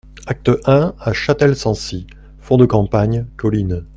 Acte un A Châtel-Sancy Fond de campagne, collines.